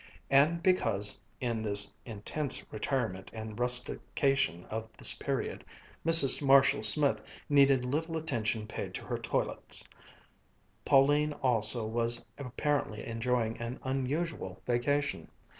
And because, in the intense retirement and rustication of this period, Mrs. Marshall Smith needed little attention paid to her toilets, Pauline also was apparently enjoying an unusual vacation.